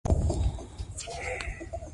د نورو په خوشالۍ کې خپله خوشالي ولټوئ.